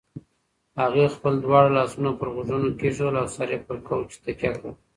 هغې خپل دواړه لاسونه پر غوږونو کېښودل او سر یې پر کوچ تکیه کړ.